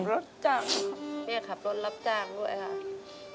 ขับรถจ้างด้วยค่ะแม่ขับรถรับจ้างด้วยค่ะ